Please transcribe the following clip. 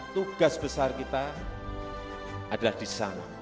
tugas besar kita adalah di sana